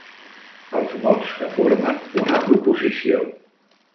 Els mots que formen una proposició.